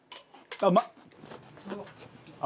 ああうまっ！